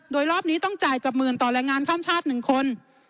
โดยรอบนี้ต้องจ่ายเกือบหมื่นต่อแรงงานข้ามชาติ๑คน